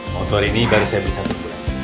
motor ini baru saya bisa berbulan